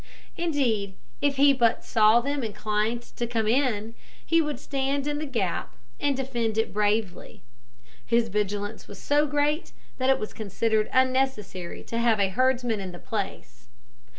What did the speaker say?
Indeed, if he but saw them inclined to come in, he would stand in the gap and defend it bravely. His vigilance was so great that it was considered unnecessary to have a herdsman in the place.